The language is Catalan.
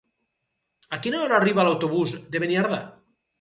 A quina hora arriba l'autobús de Beniardà?